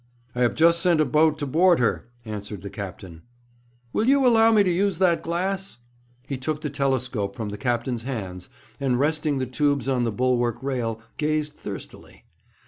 'I have just sent a boat to board her,' answered the captain. 'Will you allow me to use that glass?' He took the telescope from the captain's hands, and resting the tubes on the bulwark rail, gazed thirstily.